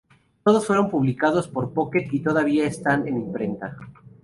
Todos fueron publicados por Pocket y todavía están en imprenta.